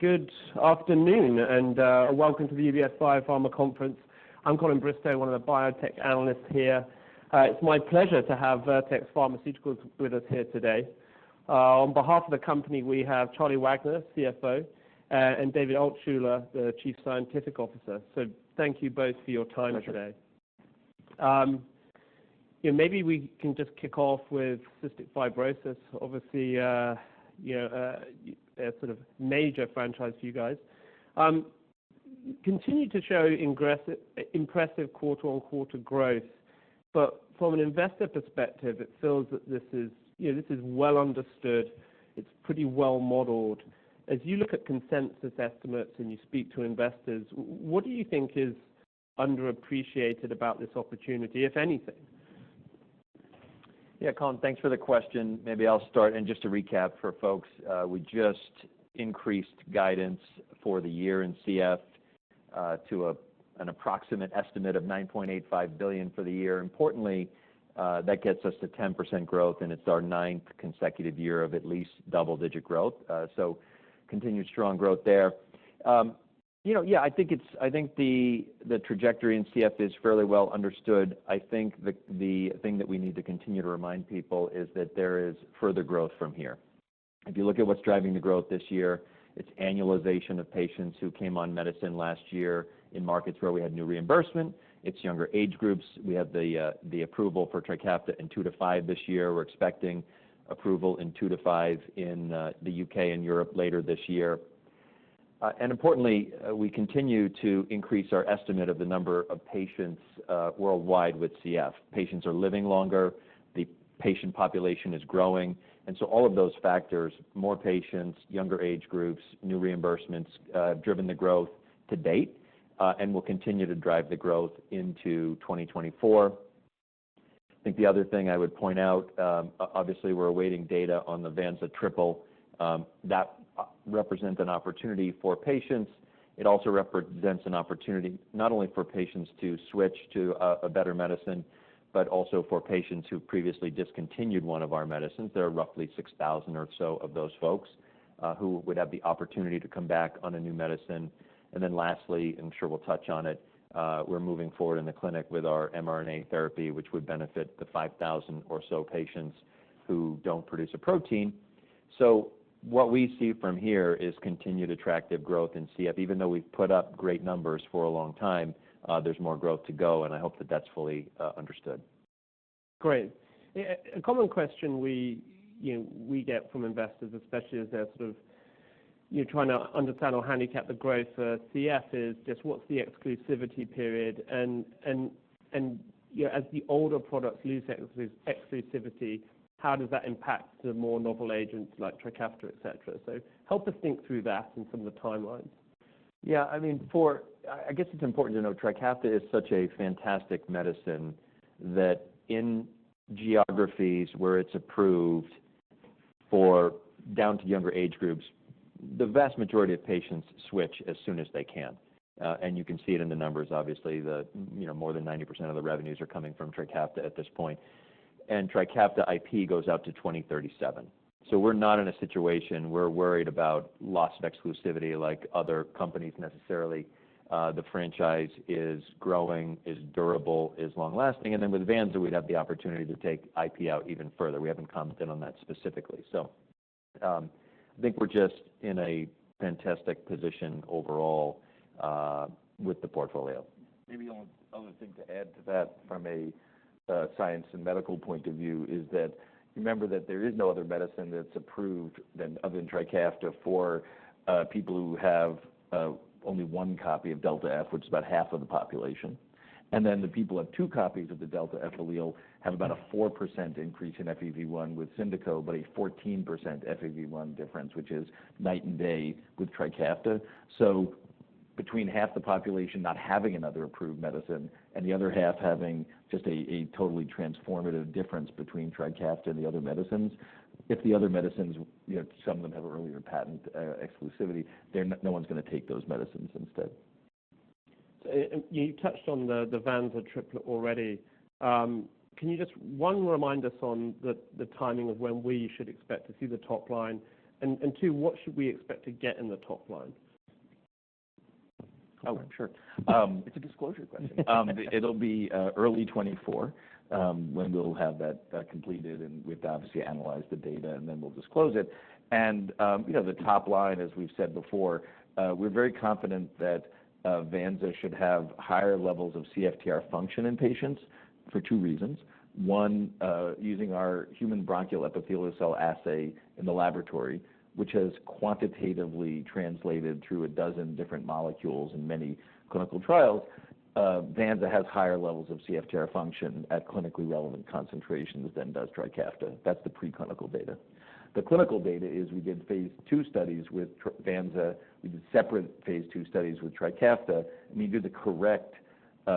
Good afternoon, and, welcome to the UBS Biopharma Conference. I'm Colin Bristow, one of the biotech analysts here. It's my pleasure to have Vertex Pharmaceuticals with us here today. On behalf of the company, we have Charlie Wagner, CFO, and David Altshuler, the Chief Scientific Officer. So thank you both for your time today. Pleasure. You know, maybe we can just kick off with cystic fibrosis. Obviously, you know, a sort of major franchise for you guys. Continue to show impressive quarter-over-quarter growth. But from an investor perspective, it feels that this is, you know, this is well understood. It's pretty well modeled. As you look at consensus estimates and you speak to investors, what do you think is underappreciated about this opportunity, if anything? Yeah, Colin, thanks for the question. Maybe I'll start. Just to recap for folks, we just increased guidance for the year in CF to an approximate estimate of $9.85 billion for the year. Importantly, that gets us to 10% growth, and it's our ninth consecutive year of at least double-digit growth. So continued strong growth there. You know, yeah, I think it's—I think the trajectory in CF is fairly well understood. I think the thing that we need to continue to remind people is that there is further growth from here. If you look at what's driving the growth this year, it's annualization of patients who came on medicine last year in markets where we had new reimbursement. It's younger age groups. We have the approval for TRIKAFTA in two to five this year. We're expecting approval in two to five in the U.K. and Europe later this year. And importantly, we continue to increase our estimate of the number of patients worldwide with CF. Patients are living longer, the patient population is growing. And so all of those factors, more patients, younger age groups, new reimbursements, have driven the growth to date, and will continue to drive the growth into 2024. I think the other thing I would point out, obviously, we're awaiting data on the vanza triple. That represents an opportunity for patients. It also represents an opportunity not only for patients to switch to a better medicine, but also for patients who previously discontinued one of our medicines. There are roughly 6,000 or so of those folks, who would have the opportunity to come back on a new medicine. And then lastly, I'm sure we'll touch on it, we're moving forward in the clinic with our mRNA therapy, which would benefit the 5,000 or so patients who don't produce a protein. So what we see from here is continued attractive growth in CF, even though we've put up great numbers for a long time, there's more growth to go, and I hope that that's fully, understood. Great. A common question we, you know, we get from investors, especially as they're sort of, you're trying to understand or handicap the growth for CF, is just what's the exclusivity period? And, you know, as the older products lose exclusivity, how does that impact the more novel agents like TRIKAFTA, et cetera? So help us think through that and some of the timelines. Yeah, I mean, I guess it's important to know TRIKAFTA is such a fantastic medicine, that in geographies where it's approved for down to younger age groups, the vast majority of patients switch as soon as they can. And you can see it in the numbers, obviously, the, you know, more than 90% of the revenues are coming from TRIKAFTA at this point. And TRIKAFTA IP goes out to 2037. So we're not in a situation we're worried about loss of exclusivity like other companies necessarily. The franchise is growing, is durable, is long-lasting, and then with vanza, we'd have the opportunity to take IP out even further. We haven't commented on that specifically. So, I think we're just in a fantastic position overall, with the portfolio. Maybe the only other thing to add to that from a science and medical point of view is that remember that there is no other medicine that's approved than other than TRIKAFTA, for people who have only one copy of Delta F, which is about half of the population. And then the people who have two copies of the Delta F allele have about a 4% increase in FEV1 with SYMDEKO, but a 14% FEV1 difference, which is night and day with TRIKAFTA. So between half the population not having another approved medicine and the other half having just a totally transformative difference between TRIKAFTA and the other medicines, if the other medicines, you know, some of them have earlier patent exclusivity, then no one's going to take those medicines instead. So you touched on the vanza triple already. Can you just, one, remind us on the timing of when we should expect to see the top line, and two, what should we expect to get in the top line? Oh, sure. It's a disclosure question. It'll be early 2024 when we'll have that completed, and we've to obviously analyze the data, and then we'll disclose it. And, you know, the top line, as we've said before, we're very confident that vanza should have higher levels of CFTR function in patients for two reasons. One, using our human bronchial epithelial cell assay in the laboratory, which has quantitatively translated through a dozen different molecules in many clinical trials, vanza has higher levels of CFTR function at clinically relevant concentrations than does TRIKAFTA. That's the preclinical data. The clinical data is we did phase II studies with vanza. We did separate phase II studies with TRIKAFTA, and we did the correct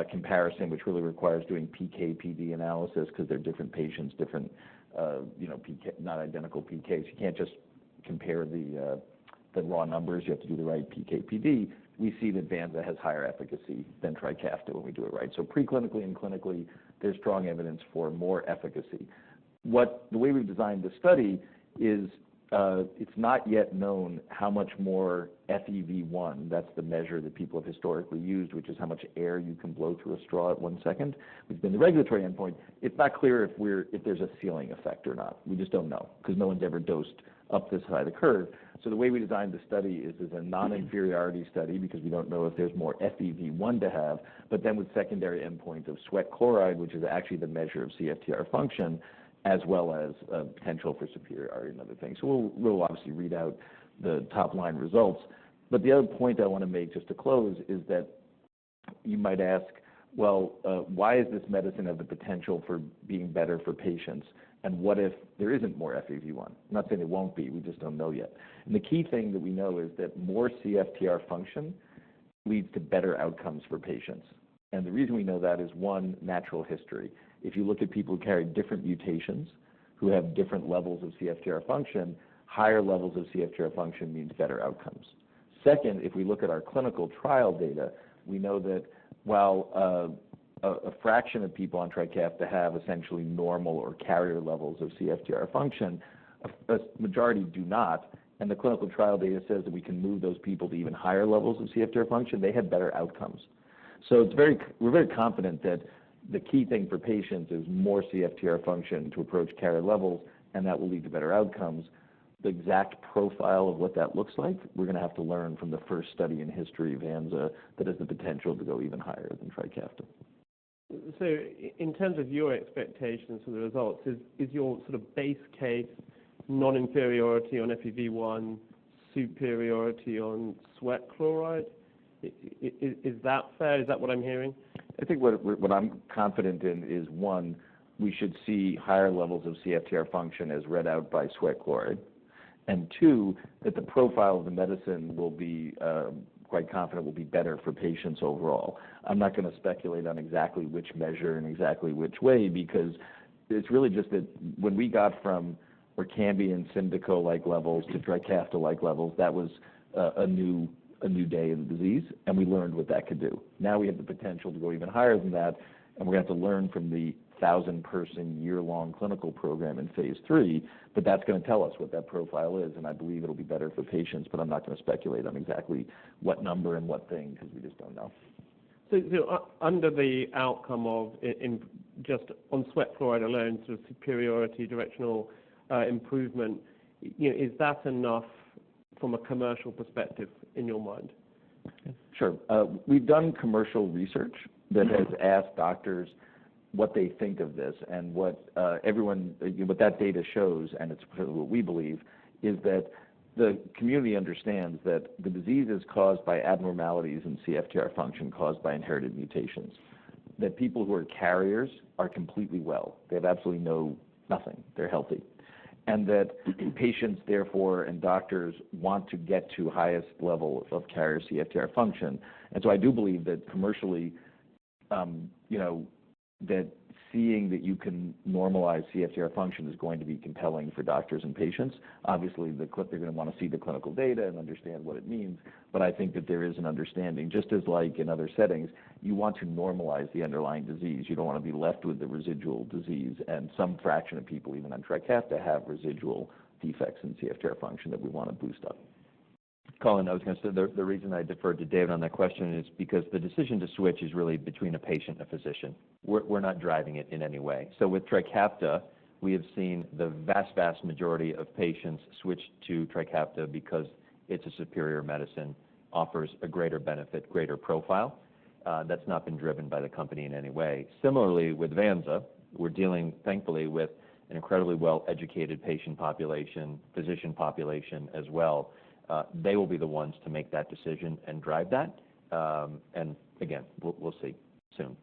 comparison, which really requires doing PK/PD analysis because they're different patients, different, you know, PK... not identical PKs. You can't just compare the raw numbers, you have to do the right PK/PD. We see that vanza has higher efficacy than TRIKAFTA when we do it right. So preclinically and clinically, there's strong evidence for more efficacy. The way we've designed this study is, it's not yet known how much more FEV1, that's the measure that people have historically used, which is how much air you can blow through a straw at one second, which has been the regulatory endpoint. It's not clear if there's a ceiling effect or not. We just don't know, 'cause no one's ever dosed up this high the curve. The way we designed the study is a non-inferiority study, because we don't know if there's more FEV1 to have, but then with secondary endpoint of sweat chloride, which is actually the measure of CFTR function, as well as potential for superiority and other things. So we'll obviously read out the top-line results. But the other point I wanna make, just to close, is that you might ask, Well, why is this medicine have the potential for being better for patients? And what if there isn't more FEV1? I'm not saying it won't be, we just don't know yet. And the key thing that we know is that more CFTR function leads to better outcomes for patients. And the reason we know that is, one, natural history. If you look at people who carry different mutations, who have different levels of CFTR function, higher levels of CFTR function means better outcomes. Second, if we look at our clinical trial data, we know that while a fraction of people on TRIKAFTA have essentially normal or carrier levels of CFTR function, a majority do not, and the clinical trial data says that we can move those people to even higher levels of CFTR function, they have better outcomes. So it's very, we're very confident that the key thing for patients is more CFTR function to approach carrier levels, and that will lead to better outcomes. The exact profile of what that looks like, we're gonna have to learn from the first study in history of vanza that has the potential to go even higher than TRIKAFTA. So in terms of your expectations for the results, is your sort of base case non-inferiority on FEV1, superiority on sweat chloride? Is that fair? Is that what I'm hearing? I think what I'm confident in is, one, we should see higher levels of CFTR function as read out by sweat chloride. Two, that the profile of the medicine will be quite confident, will be better for patients overall. I'm not gonna speculate on exactly which measure and exactly which way, because it's really just that when we got from ORKAMBI and SYMDEKO-like levels to TRIKAFTA-like levels, that was a new day in the disease, and we learned what that could do. Now we have the potential to go even higher than that, and we're gonna have to learn from the 1,000-person, year-long clinical program in phase III, but that's gonna tell us what that profile is, and I believe it'll be better for patients, but I'm not gonna speculate on exactly what number and what thing, because we just don't know. So, under the outcome of in just on sweat chloride alone, sort of superiority, directional, improvement, you know, is that enough from a commercial perspective in your mind? Sure. We've done commercial research that has asked doctors what they think of this and what everyone, you know, what that data shows, and it's what we believe, is that the community understands that the disease is caused by abnormalities in CFTR function caused by inherited mutations. That people who are carriers are completely well. They have absolutely no nothing. They're healthy. And that patients, therefore, and doctors want to get to highest levels of carrier CFTR function. And so I do believe that commercially, you know, that seeing that you can normalize CFTR function is going to be compelling for doctors and patients. Obviously, they're gonna wanna see the clinical data and understand what it means, but I think that there is an understanding, just as like in other settings, you want to normalize the underlying disease. You don't wanna be left with the residual disease, and some fraction of people, even on TRIKAFTA, have residual defects in CFTR function that we wanna boost up. Colin, I was gonna say, the reason I deferred to David on that question is because the decision to switch is really between a patient and a physician. We're not driving it in any way. So with TRIKAFTA, we have seen the vast, vast majority of patients switch to TRIKAFTA because it's a superior medicine, offers a greater benefit, greater profile. That's not been driven by the company in any way. Similarly, with vanza, we're dealing, thankfully, with an incredibly well-educated patient population, physician population as well. They will be the ones to make that decision and drive that, and again, we'll see soon.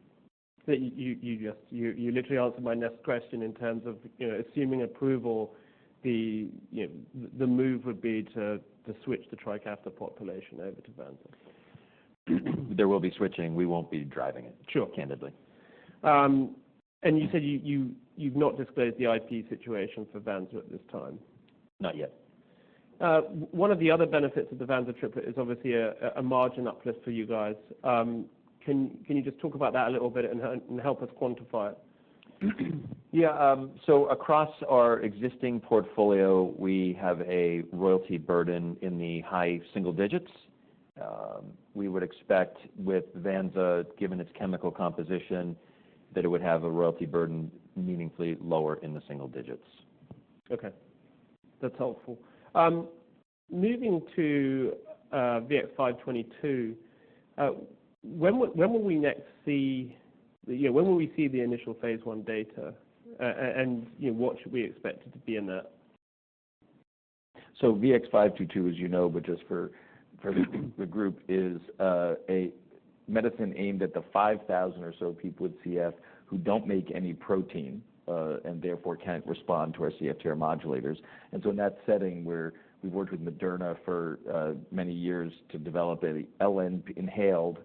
So you just—you literally answered my next question in terms of, you know, assuming approval, the, you know, the move would be to switch the TRIKAFTA population over to vanza. There will be switching. We won't be driving it- Sure. -candidly. You said you've not disclosed the IP situation for vanza at this time? Not yet. One of the other benefits of the vanza triple is obviously a margin uplift for you guys. Can you just talk about that a little bit and help us quantify it? Yeah, so across our existing portfolio, we have a royalty burden in the high single digits. We would expect with vanza, given its chemical composition, that it would have a royalty burden meaningfully lower in the single digits. Okay. That's helpful. Moving to VX-522, when will we next see... You know, when will we see the initial phase I data? And, you know, what should we expect it to be in that? So VX-522, as you know, but just for the group, is a medicine aimed at the 5,000 or so people with CF who don't make any protein, and therefore, can't respond to our CFTR modulators. And so in that setting, where we've worked with Moderna for many years to develop an inhaled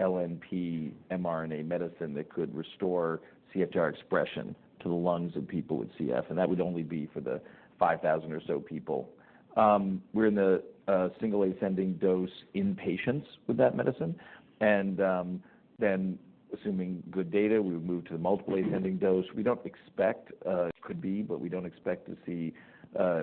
LNP mRNA medicine that could restore CFTR expression to the lungs of people with CF, and that would only be for the 5,000 or so people. We're in a single ascending dose in patients with that medicine, and then assuming good data, we would move to the multiple ascending dose. We don't expect, could be, but we don't expect to see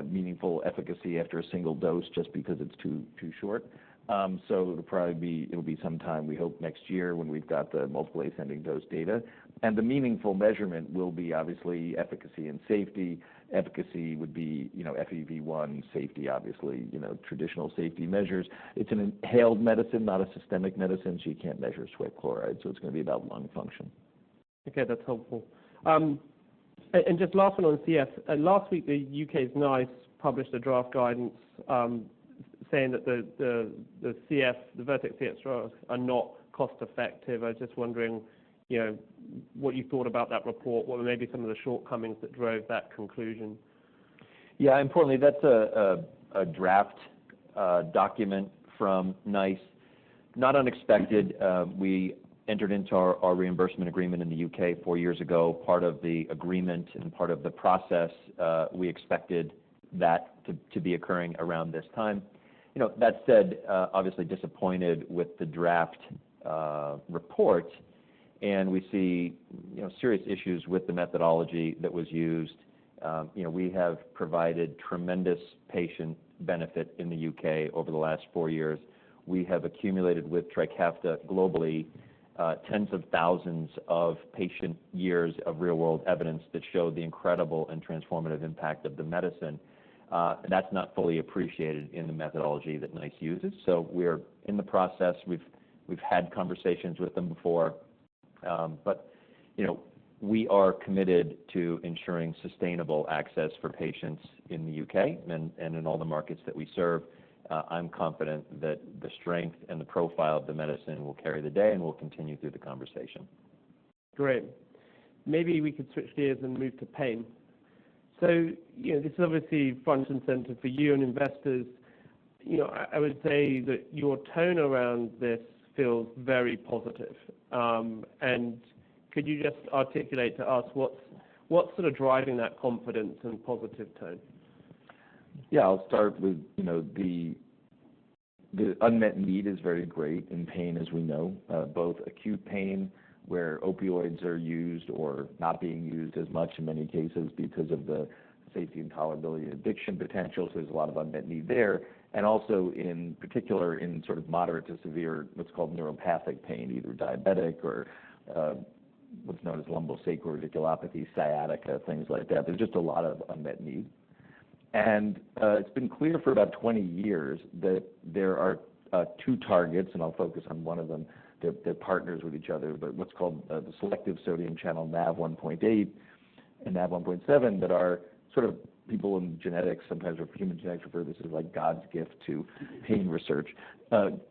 meaningful efficacy after a single dose just because it's too short. So it'll probably be, it'll be some time, we hope, next year when we've got the multiple ascending dose data. The meaningful measurement will be obviously efficacy and safety. Efficacy would be, you know, FEV1. Safety, obviously, you know, traditional safety measures. It's an inhaled medicine, not a systemic medicine, so you can't measure sweat chloride, so it's going to be about lung function. Okay, that's helpful. And just last one on CF. Last week, the U.K.'s NICE published a draft guidance, saying that the Vertex CF drugs are not cost-effective. I was just wondering, you know, what you thought about that report, what were maybe some of the shortcomings that drove that conclusion? Yeah, importantly, that's a draft document from NICE. Not unexpected. We entered into our reimbursement agreement in the U.K. four years ago. Part of the agreement and part of the process, we expected that to be occurring around this time. You know, that said, obviously disappointed with the draft report, and we see, you know, serious issues with the methodology that was used. You know, we have provided tremendous patient benefit in the U.K. over the last four years. We have accumulated with TRIKAFTA globally, tens of thousands of patient years of real-world evidence that show the incredible and transformative impact of the medicine. And that's not fully appreciated in the methodology that NICE uses. So we're in the process. We've had conversations with them before, but, you know, we are committed to ensuring sustainable access for patients in the U.K. and in all the markets that we serve. I'm confident that the strength and the profile of the medicine will carry the day, and we'll continue through the conversation. Great. Maybe we could switch gears and move to pain. So, you know, this is obviously front and center for you and investors. You know, I would say that your tone around this feels very positive. And could you just articulate to us what's sort of driving that confidence and positive tone? Yeah, I'll start with, you know, the unmet need is very great in pain, as we know, both acute pain, where opioids are used or not being used as much in many cases because of the safety and tolerability and addiction potential. So there's a lot of unmet need there, and also in particular, in sort of moderate to severe, what's called neuropathic pain, either diabetic or, what's known as lumbosacral radiculopathy, sciatica, things like that. There's just a lot of unmet need. And, it's been clear for about 20 years that there are, two targets, and I'll focus on one of them. They're partners with each other, but what's called, the selective sodium channel NaV1.8 and NaV1.7, that are sort of people in genetics, sometimes for human genetics purposes, like God's gift to pain research.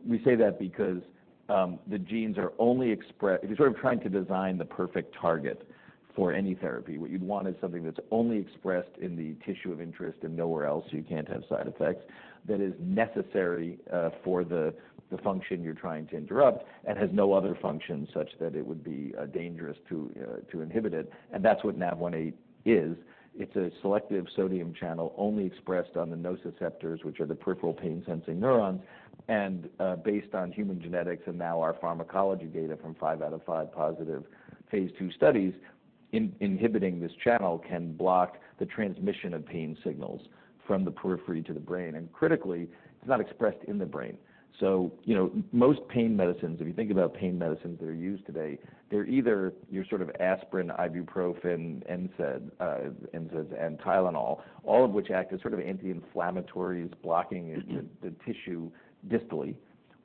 We say that because the genes are only expressed... If you're sort of trying to design the perfect target for any therapy, what you'd want is something that's only expressed in the tissue of interest and nowhere else, so you can't have side effects, that is necessary for the function you're trying to interrupt and has no other function such that it would be dangerous to inhibit it. And that's whatNaV1.8 is. It's a selective sodium channel only expressed on the nociceptors, which are the peripheral pain-sensing neurons. Based on human genetics and now our pharmacology data from five out of five positive phase II studies, inhibiting this channel can block the transmission of pain signals from the periphery to the brain, and critically, it's not expressed in the brain. So you know, most pain medicines, if you think about pain medicines that are used today, they're either your sort of aspirin, ibuprofen, NSAID, NSAIDs, and Tylenol, all of which act as sort of anti-inflammatories, blocking the tissue distally,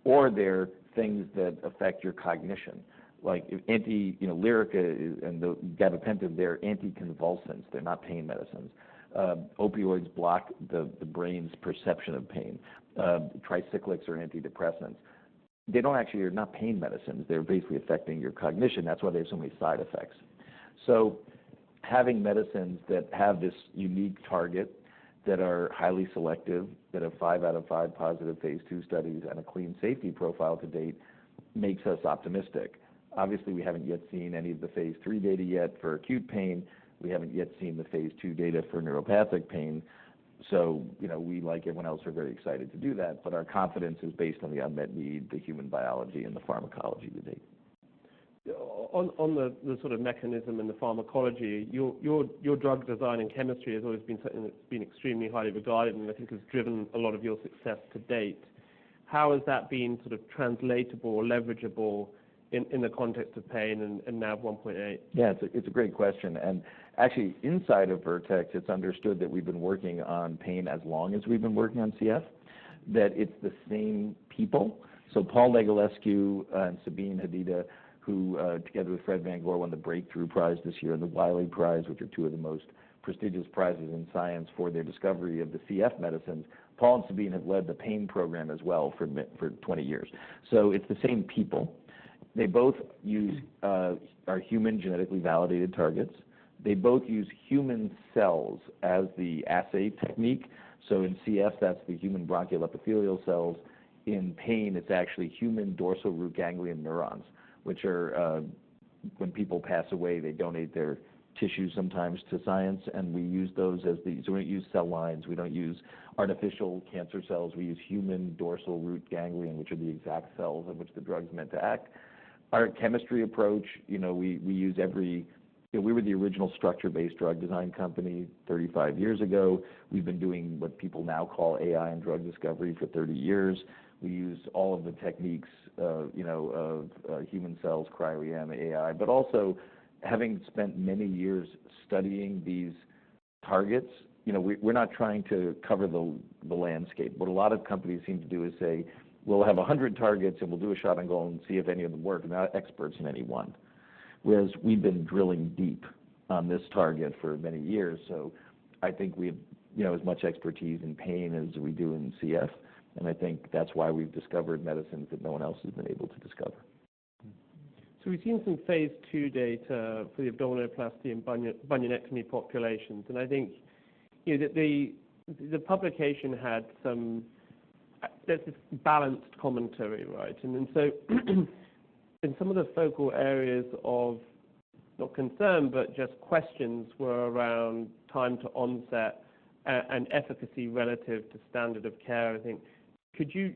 or they're things that affect your cognition. Like, anti, you know, Lyrica and the gabapentin, they're anticonvulsants, they're not pain medicines. Opioids block the brain's perception of pain. Tricyclics are antidepressants. They don't actually, are not pain medicines. They're basically affecting your cognition. That's why there's so many side effects. So having medicines that have this unique target, that are highly selective, that have five out of five positive phase II studies and a clean safety profile to date, makes us optimistic. Obviously, we haven't yet seen any of the phase III data yet for acute pain. We haven't yet seen the phase II data for neuropathic pain. So you know, we, like everyone else, are very excited to do that, but our confidence is based on the unmet need, the human biology, and the pharmacology to date. On the sort of mechanism and the pharmacology, your drug design and chemistry has always been something that's been extremely highly regarded and I think has driven a lot of your success to date. How has that been sort of translatable or leverageable in the context of pain and NaV1.8? Yeah, it's a great question. Actually, inside of Vertex, it's understood that we've been working on pain as long as we've been working on CF, that it's the same people. So Paul Negulescu and Sabine Hadida, who together with Fred Van Goor, won the Breakthrough Prize this year, and the Wiley Prize, which are two of the most prestigious prizes in science for their discovery of the CF medicines. Paul and Sabine have led the pain program as well for 20 years. So it's the same people. They both use human genetically validated targets. They both use human cells as the assay technique. So in CF, that's the human bronchial epithelial cells. In pain, it's actually human dorsal root ganglion neurons, which are when people pass away, they donate their tissues sometimes to science, and we use those as these. We don't use cell lines, we don't use artificial cancer cells, we use human dorsal root ganglion, which are the exact cells in which the drug is meant to act. Our chemistry approach, you know, we use every—we were the original structure-based drug design company 35 years ago. We've been doing what people now call AI and drug discovery for 30 years. We use all of the techniques, you know, of human cells, cryo-EM, AI, but also having spent many years studying these targets, you know, we're not trying to cover the landscape. What a lot of companies seem to do is say: We'll have 100 targets, and we'll do a shot and go and see if any of them work. We're not experts in any one. Whereas we've been drilling deep on this target for many years, so I think we have, you know, as much expertise in pain as we do in CF, and I think that's why we've discovered medicines that no one else has been able to discover. So we've seen some phase II data for the abdominoplasty and bunionectomy populations, and I think, you know, that the, the publication had some... There's this balanced commentary, right? And then so, in some of the focal areas of, not concern, but just questions were around time to onset, and efficacy relative to standard of care, I think. Could you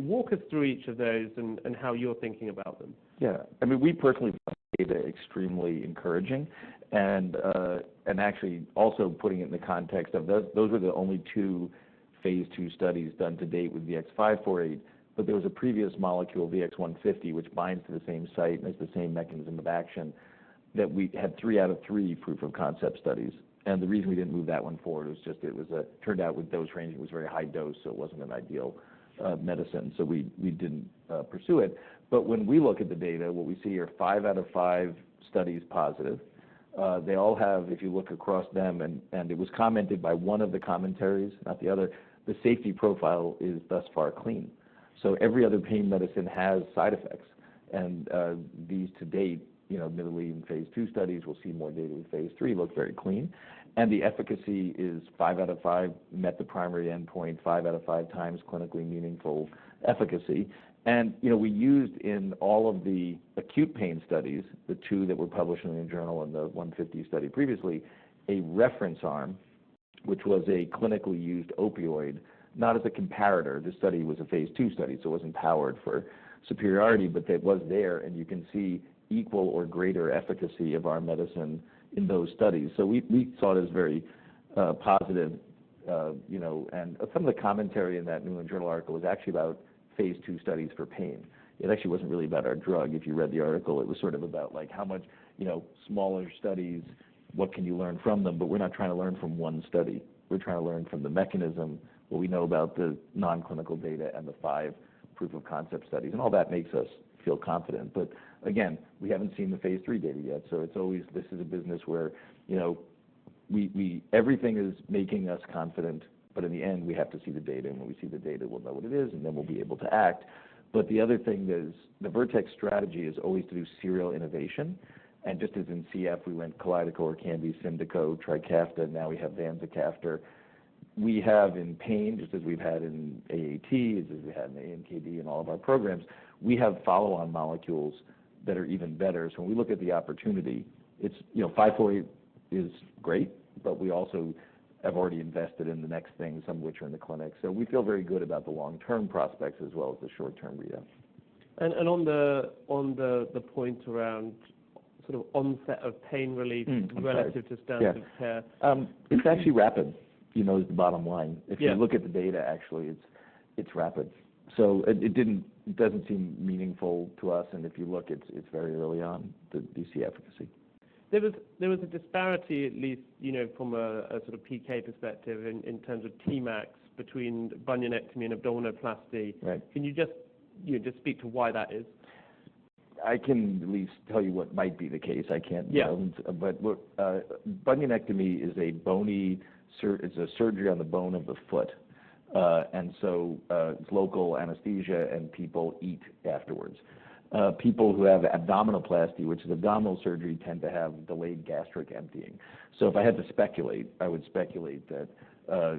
walk us through each of those and, and how you're thinking about them? Yeah. I mean, we personally find data extremely encouraging, and actually also putting it in the context of those, those were the only two phase II studies done to date with VX-548. But there was a previous molecule, VX-150, which binds to the same site and has the same mechanism of action, that we had three out of three proof of concept studies. And the reason we didn't move that one forward was just it was turned out with dose ranging, it was a very high dose, so it wasn't an ideal medicine. So we didn't pursue it. But when we look at the data, what we see are five out of five studies positive. They all have, if you look across them, and it was commented by one of the commentaries, not the other, the safety profile is thus far clean. So every other pain medicine has side effects. And these to date, you know, mid-phase II studies—we'll see more data with phase III—look very clean. And the efficacy is five out of five, met the primary endpoint, five out of five times, clinically meaningful efficacy. And, you know, we used in all of the acute pain studies, the two that were published in the journal and the 150 study previously, a reference arm, which was a clinically used opioid, not as a comparator. This study was a phase II study, so it wasn't powered for superiority, but it was there, and you can see equal or greater efficacy of our medicine in those studies. So we saw it as very positive, you know, and some of the commentary in that New England Journal article is actually about phase II studies for pain. It actually wasn't really about our drug. If you read the article, it was sort of about like how much, you know, smaller studies, what can you learn from them? But we're not trying to learn from one study. We're trying to learn from the mechanism, what we know about the non-clinical data and the five proof of concept studies, and all that makes us feel confident. But again, we haven't seen the phase III data yet, so it's always this is a business where, you know, we, we-- everything is making us confident, but in the end, we have to see the data, and when we see the data, we'll know what it is, and then we'll be able to act. But the other thing is, the Vertex strategy is always to do serial innovation. Just as in CF, we went KALYDECO, ORKAMBI, SYMDEKO, TRIKAFTA, now we have vanzacaftor. We have in pain, just as we've had in AAT, as we had in AMKD and all of our programs, we have follow-on molecules that are even better. So when we look at the opportunity, it's, you know, VX-548 is great, but we also have already invested in the next thing, some of which are in the clinic. So we feel very good about the long-term prospects as well as the short-term readout. on the point around sort of onset of pain relief- Mm-hmm. Relative to standard of care. Yeah. It's actually rapid, you know, is the bottom line. Yeah. If you look at the data, actually, it's rapid. So it doesn't seem meaningful to us, and if you look, it's very early on, the DC efficacy. David, there was a disparity, at least, you know, from a sort of PK perspective in terms of Tmax between bunionectomy and abdominoplasty. Right. Can you just, you know, just speak to why that is? I can at least tell you what might be the case. I can't know. Yeah. But, look, bunionectomy is a bony surgery on the bone of the foot, and so, it's local anesthesia, and people eat afterwards. People who have abdominoplasty, which is abdominal surgery, tend to have delayed gastric emptying. So if I had to speculate, I would speculate that,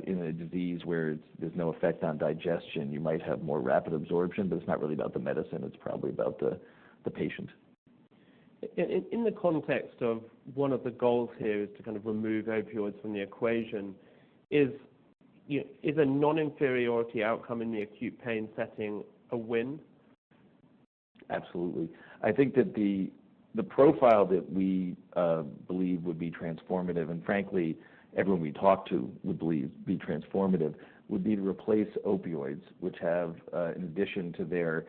in a disease where there's no effect on digestion, you might have more rapid absorption, but it's not really about the medicine, it's probably about the patient. In the context of one of the goals here is to kind of remove opioids from the equation, is, you know, a non-inferiority outcome in the acute pain setting a win? Absolutely. I think that the profile that we believe would be transformative, and frankly, everyone we talk to would believe be transformative, would be to replace opioids, which have, in addition to their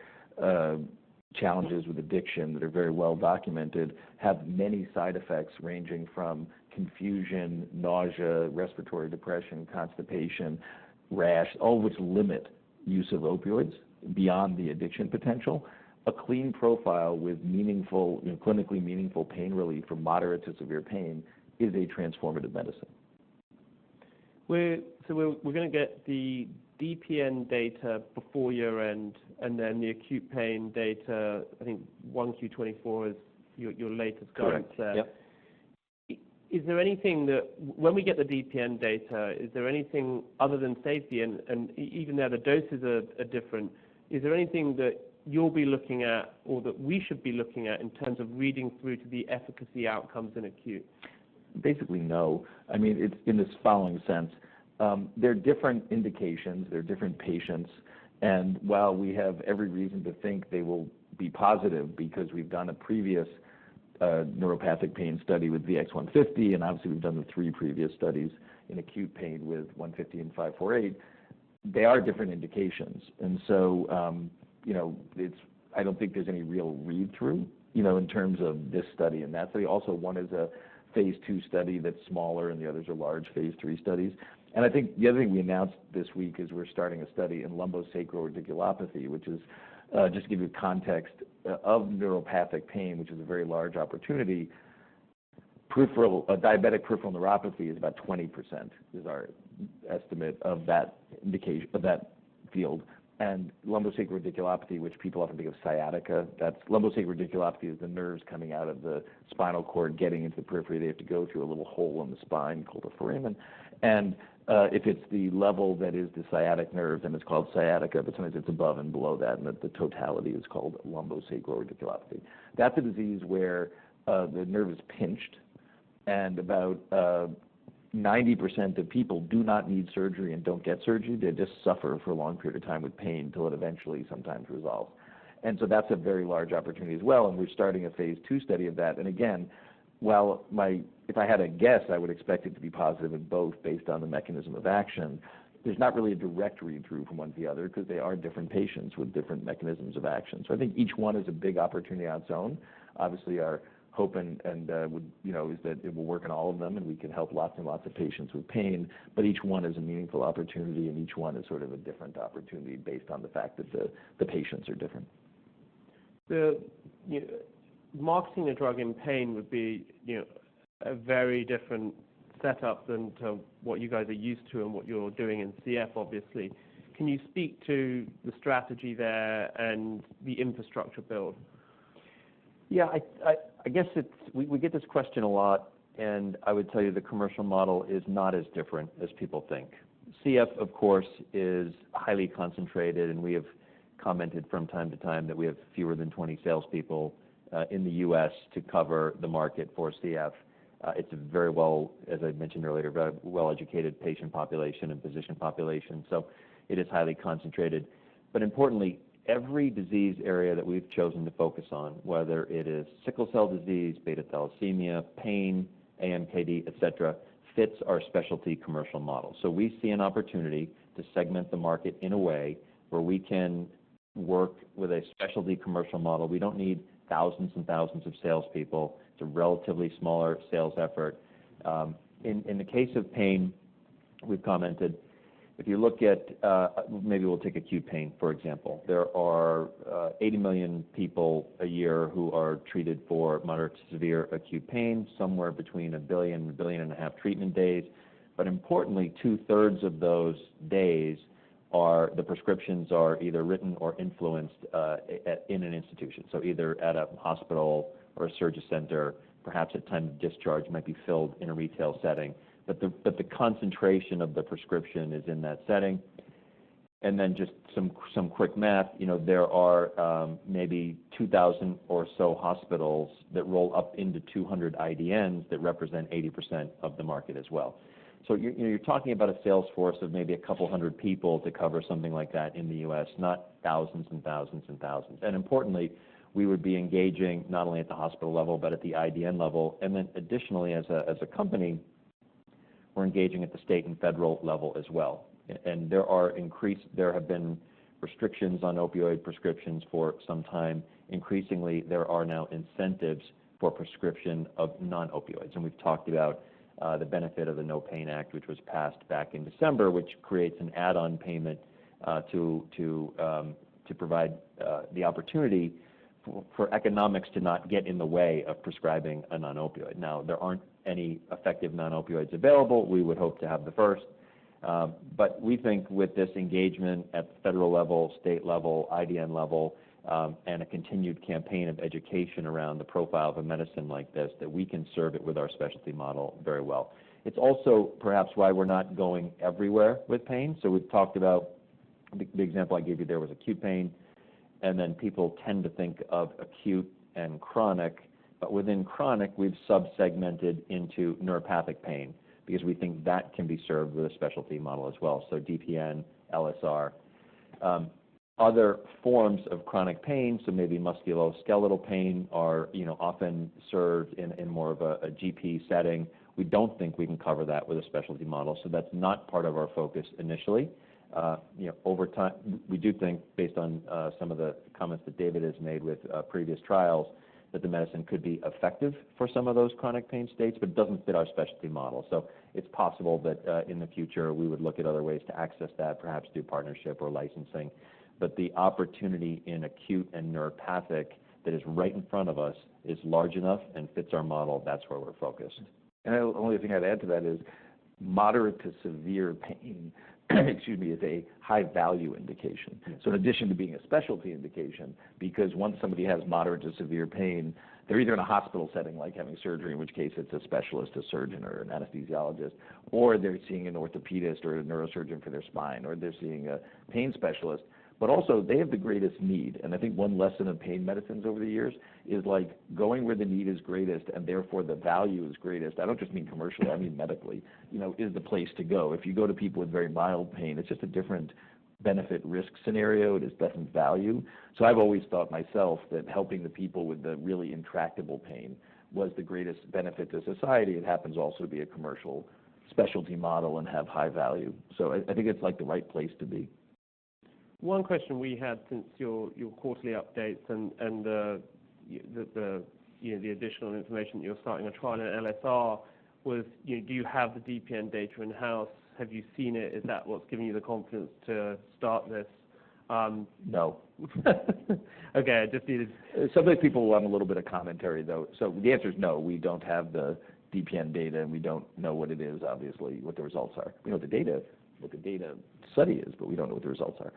challenges with addiction that are very well documented, have many side effects, ranging from confusion, nausea, respiratory depression, constipation, rash, all which limit use of opioids beyond the addiction potential. A clean profile with meaningful, you know, clinically meaningful pain relief from moderate to severe pain is a transformative medicine. So we're going to get the DPN data before year-end, and then the acute pain data, I think, 1Q 2024 is your latest guide there. Correct. Yep. Is there anything that, when we get the DPN data, is there anything other than safety and even though the doses are different, is there anything that you'll be looking at or that we should be looking at in terms of reading through to the efficacy outcomes in acute? Basically, no. I mean, it's in this following sense. There are different indications, there are different patients, and while we have every reason to think they will be positive because we've done a previous neuropathic pain study with VX-150, and obviously, we've done the three previous studies in acute pain with VX-150 and VX-548, they are different indications. And so, you know, it's. I don't think there's any real read-through, you know, in terms of this study and that study. Also, one is a phase two study that's smaller, and the others are large phase three studies. And I think the other thing we announced this week is we're starting a study in lumbosacral radiculopathy, which is just to give you context, of neuropathic pain, which is a very large opportunity. Peripheral diabetic peripheral neuropathy is about 20%, is our estimate of that indication, of that field. Lumbosacral radiculopathy, which people often think of sciatica, that's lumbosacral radiculopathy is the nerves coming out of the spinal cord, getting into the periphery. They have to go through a little hole in the spine called the foramen. If it's the level that is the sciatic nerve, then it's called sciatica, but sometimes it's above and below that, and the totality is called lumbosacral radiculopathy. That's a disease where the nerve is pinched, and about 90% of people do not need surgery and don't get surgery. They just suffer for a long period of time with pain until it eventually sometimes resolves. So that's a very large opportunity as well, and we're starting a phase II study of that. And again, while my... If I had to guess, I would expect it to be positive in both based on the mechanism of action. There's not really a direct read-through from one to the other because they are different patients with different mechanisms of action. So I think each one is a big opportunity on its own. Obviously, our hope and, and would, you know, is that it will work in all of them, and we can help lots and lots of patients with pain. But each one is a meaningful opportunity, and each one is sort of a different opportunity based on the fact that the patients are different. The marketing a drug in pain would be, you know, a very different setup than to what you guys are used to and what you're doing in CF, obviously. Can you speak to the strategy there and the infrastructure build? Yeah, I guess we get this question a lot, and I would tell you the commercial model is not as different as people think. CF, of course, is highly concentrated, and we have commented from time to time that we have fewer than 20 salespeople in the U.S. to cover the market for CF. It's a very well, as I mentioned earlier, a well-educated patient population and physician population, so it is highly concentrated. But importantly, every disease area that we've chosen to focus on, whether it is sickle cell disease, Beta Thalassemia, pain, AMKD, et cetera, fits our specialty commercial model. So we see an opportunity to segment the market in a way where we can work with a specialty commercial model. We don't need thousands and thousands of salespeople. It's a relatively smaller sales effort. In the case of pain, we've commented, if you look at. Maybe we'll take acute pain, for example. There are 80,000,000 people a year who are treated for moderate to severe acute pain, somewhere between 1 billion and 1.5 billion treatment days. But importantly, two-thirds of those days are, the prescriptions are either written or influenced in an institution. So either at a hospital or a surgery center, perhaps at time of discharge, might be filled in a retail setting. But the concentration of the prescription is in that setting. And then just some quick math, you know, there are maybe 2,000 or so hospitals that roll up into 200 IDNs that represent 80% of the market as well. So you're, you know, you're talking about a sales force of maybe a couple hundred people to cover something like that in the U.S., not thousands and thousands and thousands. And importantly, we would be engaging not only at the hospital level, but at the IDN level. And then additionally, as a company, we're engaging at the state and federal level as well. And there have been restrictions on opioid prescriptions for some time. Increasingly, there are now incentives for prescription of non-opioids. And we've talked about the benefit of the NOPAIN Act, which was passed back in December, which creates an add-on payment to provide the opportunity for economics to not get in the way of prescribing a non-opioid. Now, there aren't any effective non-opioids available. We would hope to have the first. But we think with this engagement at the federal level, state level, IDN level, and a continued campaign of education around the profile of a medicine like this, that we can serve it with our specialty model very well. It's also perhaps why we're not going everywhere with pain. So we've talked about the example I gave you there was acute pain, and then people tend to think of acute and chronic. But within chronic, we've subsegmented into neuropathic pain because we think that can be served with a specialty model as well. So DPN, LSR. Other forms of chronic pain, so maybe musculoskeletal pain, you know, often served in more of a GP setting. We don't think we can cover that with a specialty model, so that's not part of our focus initially. You know, over time, we do think, based on some of the comments that David has made with previous trials, that the medicine could be effective for some of those chronic pain states, but it doesn't fit our specialty model. So it's possible that, in the future, we would look at other ways to access that, perhaps through partnership or licensing. But the opportunity in acute and neuropathic that is right in front of us is large enough and fits our model. That's where we're focused. The only thing I'd add to that is moderate to severe pain, excuse me, is a high-value indication. So in addition to being a specialty indication, because once somebody has moderate to severe pain, they're either in a hospital setting, like having surgery, in which case it's a specialist, a surgeon, or an anesthesiologist, or they're seeing an orthopedist or a neurosurgeon for their spine, or they're seeing a pain specialist. But also they have the greatest need. And I think one lesson of pain medicines over the years is, like, going where the need is greatest and therefore the value is greatest, I don't just mean commercially, I mean medically, you know, is the place to go. If you go to people with very mild pain, it's just a different benefit risk scenario. It is different value. So I've always thought myself that helping the people with the really intractable pain was the greatest benefit to society. It happens also to be a commercial specialty model and have high value. So I, I think it's, like, the right place to be. One question we had since your quarterly updates and the, you know, the additional information, you're starting a trial at LSR, was, you know, do you have the DPN data in-house? Have you seen it? Is that what's giving you the confidence to start this- No. Okay, I just needed- Somebody, people will have a little bit of commentary, though. So the answer is no, we don't have the DPN data, and we don't know what it is, obviously, what the results are. We know what the data study is, but we don't know what the results are.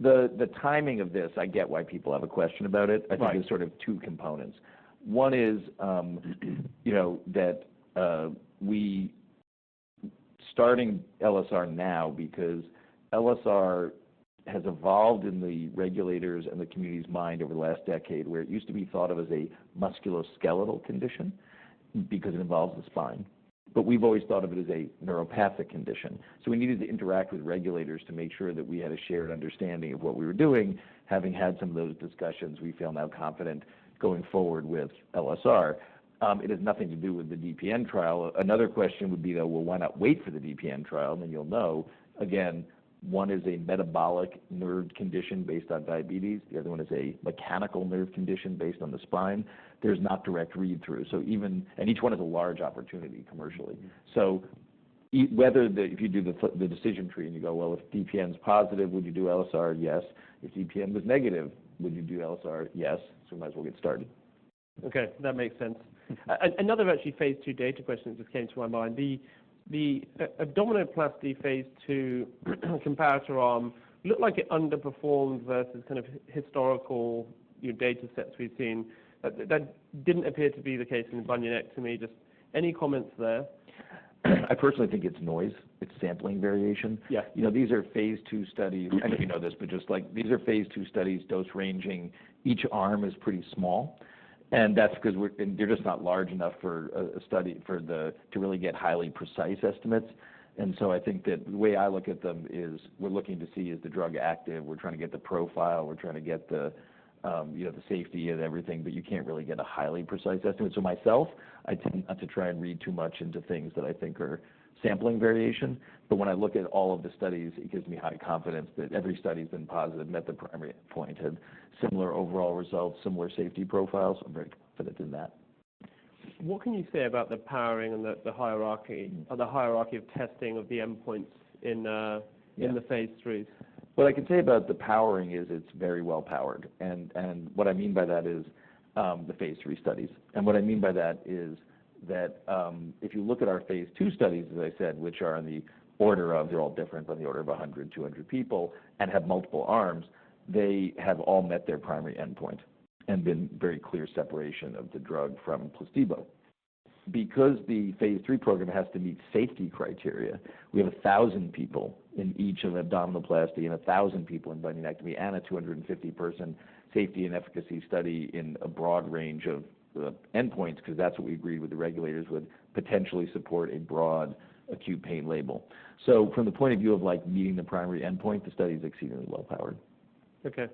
The timing of this, I get why people have a question about it. Right. I think there's sort of two components. One is, you know, that, we starting LSR now, because LSR has evolved in the regulators and the community's mind over the last decade, where it used to be thought of as a musculoskeletal condition because it involves the spine, but we've always thought of it as a neuropathic condition. So we needed to interact with regulators to make sure that we had a shared understanding of what we were doing. Having had some of those discussions, we feel now confident going forward with LSR. It has nothing to do with the DPN trial. Another question would be, though: Well, why not wait for the DPN trial and then you'll know? Again, one is a metabolic nerve condition based on diabetes. The other one is a mechanical nerve condition based on the spine. There's not direct read-through, so even... Each one is a large opportunity commercially. So, if you do the decision tree, and you go, well, if DPN is positive, would you do LSR? Yes. If DPN was negative, would you do LSR? Yes. So might as well get started. Okay, that makes sense. Another actually phase II data question just came to my mind. The abdominoplasty phase II comparator arm looked like it underperformed versus kind of historical, you know, data sets we've seen. That didn't appear to be the case in bunionectomy. Just any comments there? I personally think it's noise. It's sampling variation. Yeah. You know, these are phase II studies. I don't know if you know this, but just like, these are phase II studies, dose ranging. Each arm is pretty small, and that's 'cause we're and they're just not large enough for a study to really get highly precise estimates. And so I think that the way I look at them is, we're looking to see, is the drug active? We're trying to get the profile, we're trying to get the, you know, the safety and everything, but you can't really get a highly precise estimate. So myself, I tend not to try and read too much into things that I think are sampling variation. But when I look at all of the studies, it gives me high confidence that every study's been positive and met the primary endpoint and similar overall results, similar safety profiles. I'm very confident in that. What can you say about the powering and the hierarchy of testing of the endpoints in the phase III? What I can say about the powering is it's very well powered, and, and what I mean by that is the phase III studies. And what I mean by that is that if you look at our phase two studies, as I said, which are on the order of... They're all different, but on the order of 100 and 200 people and have multiple arms, they have all met their primary endpoint and been very clear separation of the drug from placebo. Because the phase three program has to meet safety criteria, we have 1,000 people in each of abdominoplasty and 1,000 people in bunionectomy, and a 250-person safety and efficacy study in a broad range of endpoints, 'cause that's what we agreed with the regulators would potentially support a broad acute pain label. From the point of view of, like, meeting the primary endpoint, the study is exceedingly well powered. Okay.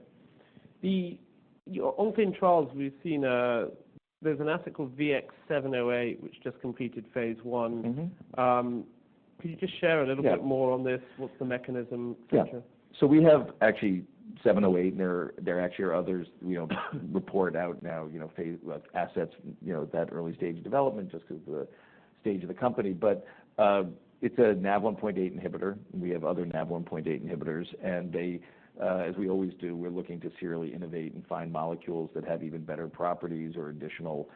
Your ongoing trials, we've seen, there's an article, VX-708, which just completed phase I. Mm-hmm. Can you just share a little- Yeah A bit more on this? What's the mechanism feature? Yeah. So we have actually VX-708, and there actually are others we don't report out now, you know, phase I assets, you know, that early stage of development, just 'cause of the stage of the company. But it's a NaV1.8 inhibitor. We have other NaV1.8 inhibitors, and they, as we always do, we're looking to serially innovate and find molecules that have even better properties or additional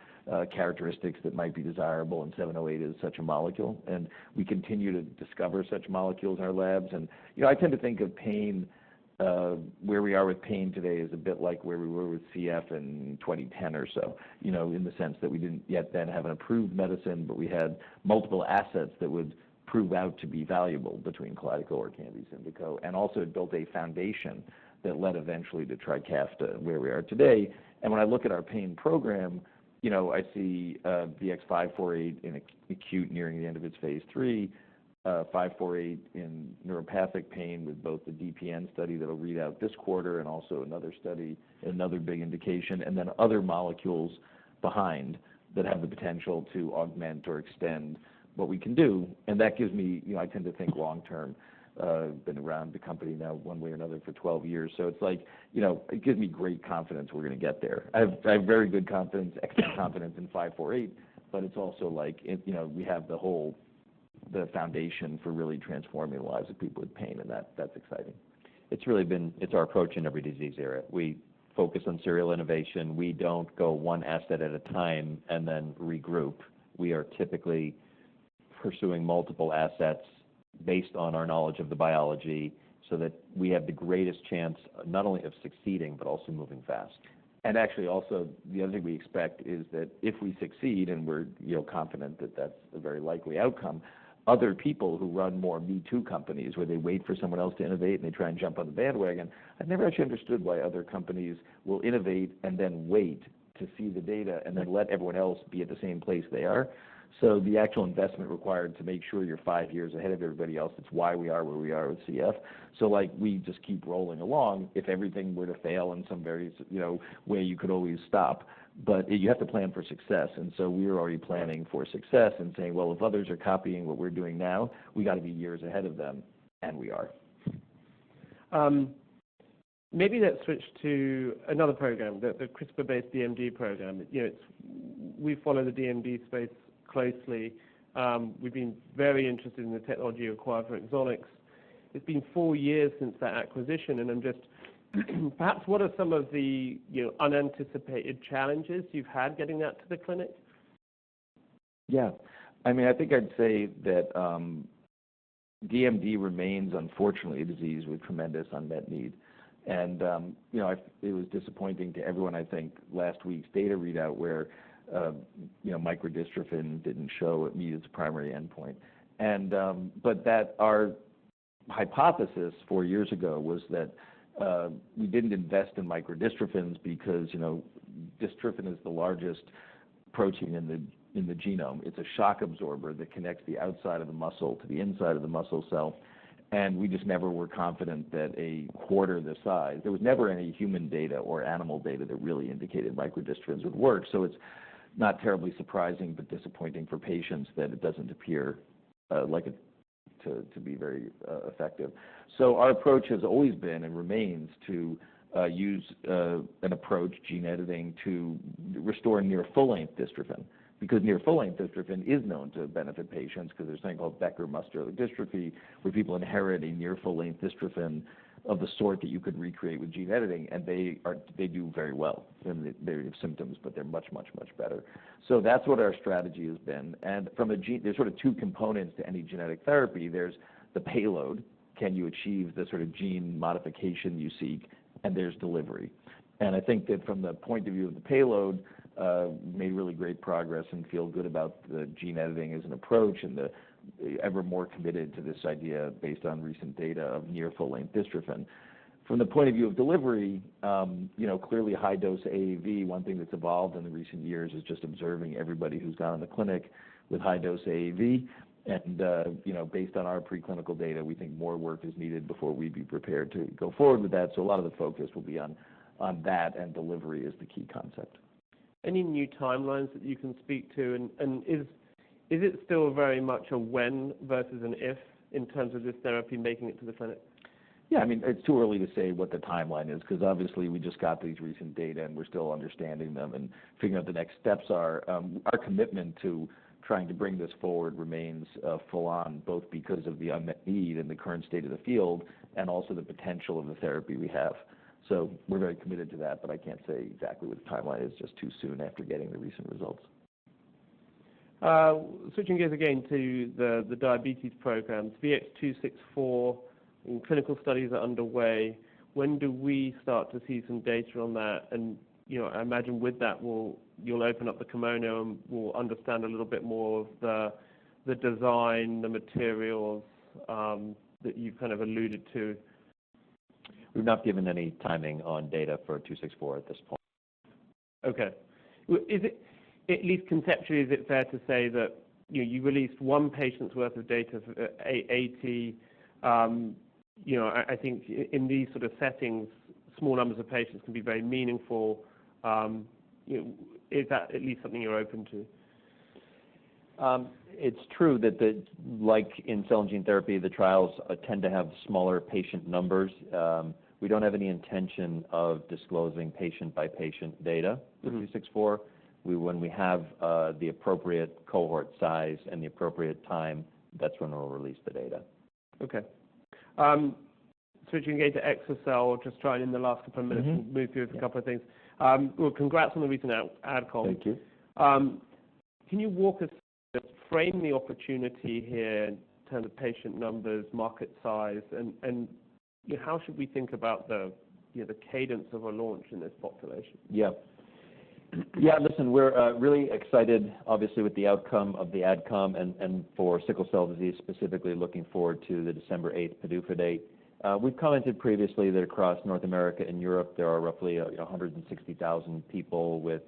characteristics that might be desirable, and VX-708 is such a molecule. And we continue to discover such molecules in our labs. And, you know, I tend to think of pain where we are with pain today is a bit like where we were with CF in 2010 or so. You know, in the sense that we didn't yet then have an approved medicine, but we had multiple assets that would prove out to be valuable between KALYDECO or ORKAMBI, SYMDEKO, and also it built a foundation that led eventually to TRIKAFTA, where we are today. And when I look at our pain program, you know, I see VX-548 in acute, nearing the end of its phase III, 548 in neuropathic pain, with both the DPN study that will read out this quarter and also another study, another big indication, and then other molecules behind that have the potential to augment or extend what we can do. And that gives me... You know, I tend to think long term, been around the company now, one way or another, for 12 years. So it's like, you know, it gives me great confidence we're going to get there. I have, I have very good confidence, excellent confidence in VX-548, but it's also like, you know, we have the whole, the foundation for really transforming the lives of people with pain, and that, that's exciting.... It's really been, it's our approach in every disease area. We focus on serial innovation. We don't go one asset at a time and then regroup. We are typically pursuing multiple assets based on our knowledge of the biology, so that we have the greatest chance not only of succeeding, but also moving fast. Actually, also, the other thing we expect is that if we succeed, and we're, you know, confident that that's a very likely outcome, other people who run more me-too companies, where they wait for someone else to innovate, and they try and jump on the bandwagon. I've never actually understood why other companies will innovate and then wait to see the data and then let everyone else be at the same place they are. The actual investment required to make sure you're five years ahead of everybody else, it's why we are where we are with CF. Like, we just keep rolling along. If everything were to fail in some various, you know, way, you could always stop. But you have to plan for success, and so we are already planning for success and saying: Well, if others are copying what we're doing now, we got to be years ahead of them, and we are. Maybe let's switch to another program, the CRISPR-based DMD program. You know, it's... We follow the DMD space closely. We've been very interested in the technology acquired for Exonics. It's been four years since that acquisition, and I'm just- perhaps, what are some of the, you know, unanticipated challenges you've had getting that to the clinic? Yeah. I mean, I think I'd say that, DMD remains, unfortunately, a disease with tremendous unmet need. And, you know, it was disappointing to everyone, I think, last week's data readout, where, you know, microdystrophin didn't show it meet its primary endpoint. And, but that our hypothesis four years ago was that, we didn't invest in microdystrophins because, you know, dystrophin is the largest protein in the genome. It's a shock absorber that connects the outside of the muscle to the inside of the muscle cell, and we just never were confident that a quarter the size. There was never any human data or animal data that really indicated microdystrophins would work. So it's not terribly surprising, but disappointing for patients, that it doesn't appear, like it to be very, effective. So our approach has always been, and remains, to use an approach, gene editing, to restore near full-length dystrophin, because near full-length dystrophin is known to benefit patients. 'Cause there's something called Becker muscular dystrophy, where people inherit a near full-length dystrophin of the sort that you could recreate with gene editing, and they are- they do very well. They may have symptoms, but they're much, much, much better. So that's what our strategy has been. And there's sort of two components to any genetic therapy. There's the payload, can you achieve the sort of gene modification you seek? And there's delivery. And I think that from the point of view of the payload, made really great progress and feel good about the gene editing as an approach, and the ever more committed to this idea based on recent data of near full-length dystrophin. From the point of view of delivery, you know, clearly high-dose AAV, one thing that's evolved in the recent years is just observing everybody who's gone in the clinic with high-dose AAV. And you know, based on our preclinical data, we think more work is needed before we'd be prepared to go forward with that. So a lot of the focus will be on that, and delivery is the key concept. Any new timelines that you can speak to? And is it still very much a when versus an if, in terms of this therapy making it to the clinic? Yeah, I mean, it's too early to say what the timeline is, 'cause obviously, we just got these recent data, and we're still understanding them and figuring out the next steps are. Our commitment to trying to bring this forward remains, full on, both because of the unmet need and the current state of the field, and also the potential of the therapy we have. So we're very committed to that, but I can't say exactly what the timeline is, just too soon after getting the recent results. Switching gears again to the diabetes programs, VX-264 and clinical studies are underway. When do we start to see some data on that? And, you know, I imagine with that, you'll open up the kimono, and we'll understand a little bit more of the design, the materials, that you've kind of alluded to. We've not given any timing on data for VX-264 at this point. Okay. Well, at least conceptually, is it fair to say that, you know, you released one patient's worth of data at, you know, I think in these sort of settings, small numbers of patients can be very meaningful. You know, is that at least something you're open to? It's true that the, like, in cell and gene therapy, the trials tend to have smaller patient numbers. We don't have any intention of disclosing patient-by-patient data- Mm-hmm. for VX-264. We, when we have the appropriate cohort size and the appropriate time, that's when we'll release the data. Okay. Switching gears to exa-cel, just trying in the last couple of minutes- Mm-hmm. to move through a couple of things. Well, congrats on the recent AdCom. Thank you. Can you walk us, frame the opportunity here in terms of patient numbers, market size, and how should we think about the, you know, the cadence of a launch in this population? Yeah. Yeah, listen, we're really excited, obviously, with the outcome of the adcom and for sickle cell disease, specifically looking forward to the December eighth PDUFA date. We've commented previously that across North America and Europe, there are roughly, you know, 160,000 people with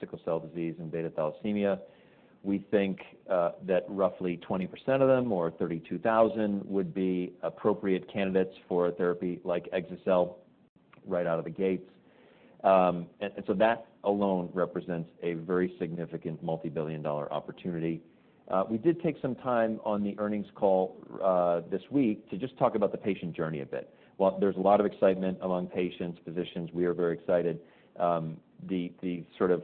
sickle cell disease and beta thalassemia. We think that roughly 20% of them, or 32,000, would be appropriate candidates for a therapy like exa-cel right out of the gates. And so that alone represents a very significant multibillion-dollar opportunity. We did take some time on the earnings call this week to just talk about the patient journey a bit. While there's a lot of excitement among patients, physicians, we are very excited, the sort of-...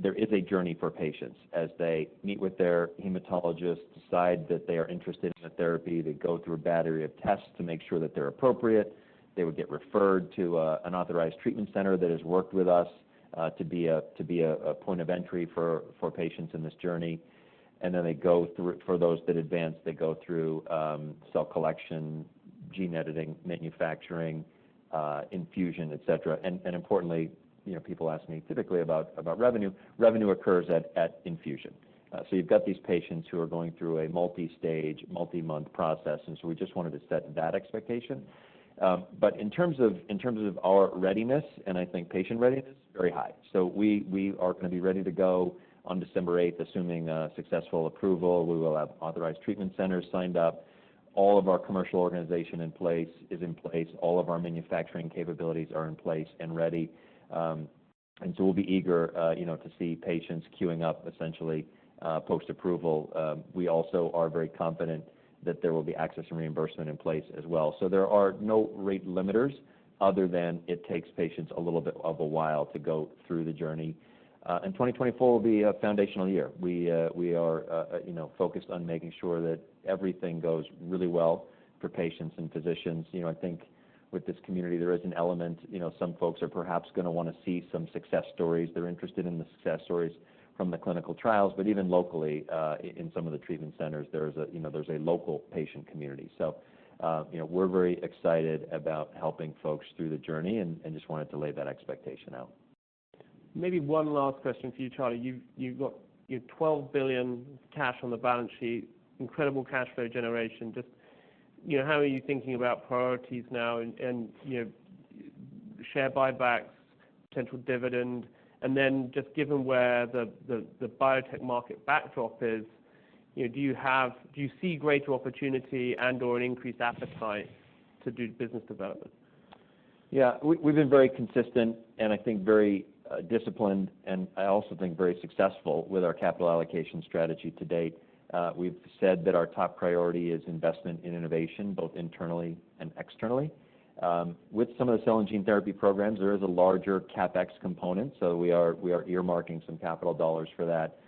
There is a journey for patients as they meet with their hematologist, decide that they are interested in a therapy. They go through a battery of tests to make sure that they're appropriate. They would get referred to an Authorized Treatment Center that has worked with us to be a point of entry for patients in this journey. And then they go through, for those that advance, they go through cell collection, gene editing, manufacturing, infusion, et cetera. And importantly, you know, people ask me typically about revenue. Revenue occurs at infusion. So you've got these patients who are going through a multi-stage, multi-month process, and so we just wanted to set that expectation. But in terms of our readiness, and I think patient readiness, very high. So we are gonna be ready to go on December eighth, assuming successful approval. We will have Authorized Treatment Centers signed up. All of our commercial organization is in place. All of our manufacturing capabilities are in place and ready. And so we'll be eager, you know, to see patients queuing up essentially, post-approval. We also are very confident that there will be access and reimbursement in place as well. So there are no rate limiters other than it takes patients a little bit of a while to go through the journey. And 2024 will be a foundational year. We are, you know, focused on making sure that everything goes really well for patients and physicians. You know, I think with this community, there is an element... You know, some folks are perhaps gonna wanna see some success stories. They're interested in the success stories from the clinical trials, but even locally, in some of the treatment centers, there's a, you know, there's a local patient community. So, you know, we're very excited about helping folks through the journey and, and just wanted to lay that expectation out. Maybe one last question for you, Charlie. You've got your $12 billion cash on the balance sheet, incredible cash flow generation. Just, you know, how are you thinking about priorities now and, and, you know, share buybacks, potential dividend? And then just given where the biotech market backdrop is, you know, do you see greater opportunity and/or an increased appetite to do business development? Yeah, we've been very consistent and I think very disciplined, and I also think very successful with our capital allocation strategy to date. We've said that our top priority is investment in innovation, both internally and externally. With some of the cell and gene therapy programs, there is a larger CapEx component, so we are earmarking some capital dollars for that.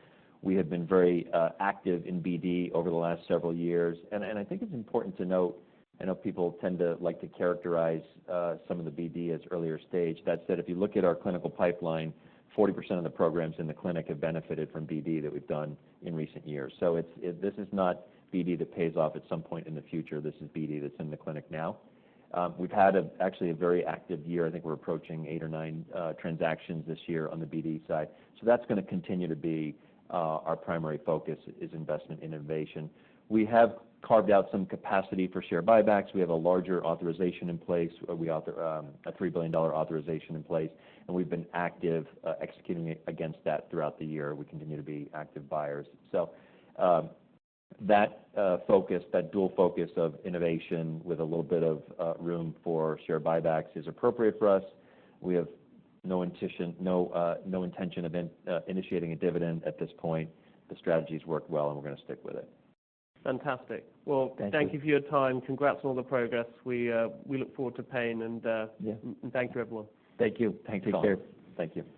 We have been very active in BD over the last several years. And I think it's important to note, I know people tend to like to characterize some of the BD as earlier stage. That said, if you look at our clinical pipeline, 40% of the programs in the clinic have benefited from BD that we've done in recent years. So this is not BD that pays off at some point in the future. This is BD that's in the clinic now. We've had actually a very active year. I think we're approaching eight or nine transactions this year on the BD side. So that's gonna continue to be our primary focus, is investment in innovation. We have carved out some capacity for share buybacks. We have a larger authorization in place. We have a $3 billion authorization in place, and we've been active executing against that throughout the year. We continue to be active buyers. So that focus, that dual focus of innovation with a little bit of room for share buybacks is appropriate for us. We have no intention of initiating a dividend at this point. The strategy's worked well, and we're gonna stick with it. Fantastic. Thank you. Well, thank you for your time. Congrats on all the progress. We, we look forward to paying and, Yeah. Thank you, everyone. Thank you. Thank you all. Take care. Thank you.